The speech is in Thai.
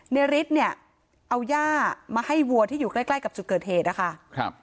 ฤทธิ์เนี่ยเอาย่ามาให้วัวที่อยู่ใกล้ใกล้กับจุดเกิดเหตุนะคะครับ